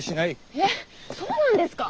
えっそうなんですかぁ⁉